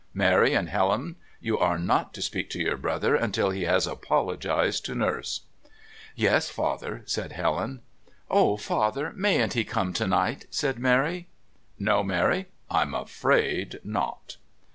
Mary and Helen, you are not to speak to your brother until he has apologised to Nurse." "Yes, Father," said Helen "Oh, Father, mayn't he come to night?" said Mary. "No, Mary, I'm afraid not."